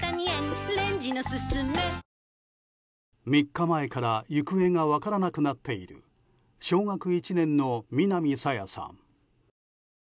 ３日前から行方が分からなくなっている小学１年生の南朝芽さん。